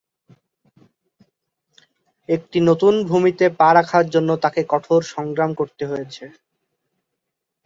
একটি নতুন ভূমিতে পা রাখার জন্য তাকে কঠোর সংগ্রাম করতে হয়েছে।